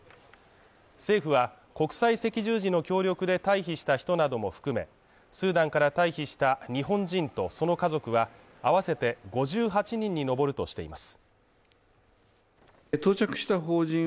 政府は、国際赤十字の協力で退避した人なども含め、スーダンから退避した日本人とその家族は、あわせて５８人に上るとしています。